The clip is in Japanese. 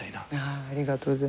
ありがとうございます。